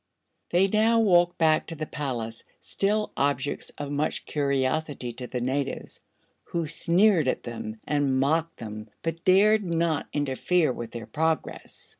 They now walked back to the palace, still objects of much curiosity to the natives, who sneered at them and mocked them but dared not interfere with their progress.